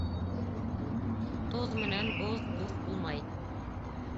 Тоҙ менән боҙ дуҫ булмай.